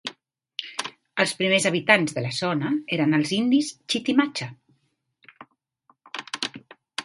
Els primers habitants de la zona eren els indis chitimacha.